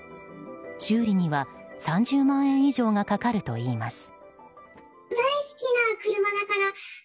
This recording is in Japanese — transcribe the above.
修理には３０万円以上がかかるといいます。